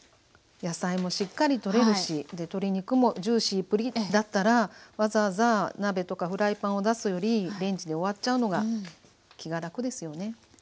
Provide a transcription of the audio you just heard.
野菜もしっかりとれるし鶏肉もジューシープリッだったらわざわざ鍋とかフライパンを出すよりレンジで終わっちゃうのが気が楽ですよね？